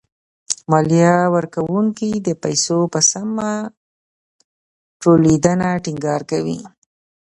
ماليه ورکوونکي د پيسو په سمه ټولېدنه ټېنګار کوي.